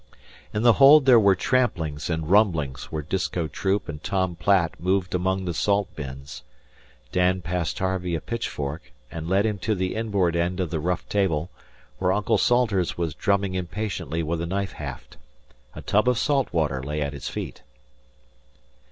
In the hold there were tramplings and rumblings where Disko Troop and Tom Platt moved among the salt bins. Dan passed Harvey a pitchfork, and led him to the inboard end of the rough table, where Uncle Salters was drumming impatiently with a knife haft. A tub of salt water lay at his feet.